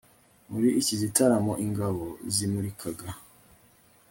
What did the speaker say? muri iki gitaramo ingabo zimurikaga